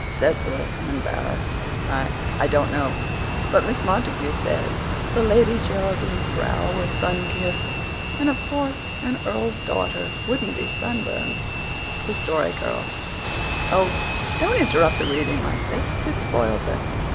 CECILY, EMBARRASSED: "I I don't know. But Miss Montague says the Lady Geraldine's brow was sun kissed and of course an earl's daughter wouldn't be sunburned. "THE STORY GIRL: "Oh, don't interrupt the reading like this. It spoils it.")